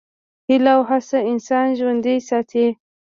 هیله او هڅه انسان ژوندی ساتي.